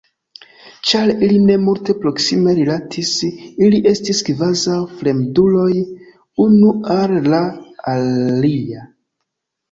Ĉar ili ne multe proksime rilatis, ili estis kvazaŭ fremduloj unu al la alia.